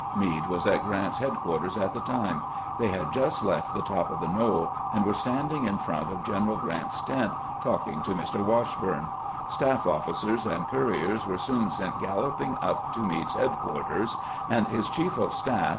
Meade was at Grant's headquarters at the time. They had just left the top of the knoll, and were standing in front of General Grant's tent talking to Mr. Washburne. Staff officers and couriers were soon seen galloping up to Meade's headquarters, and his chief of staff.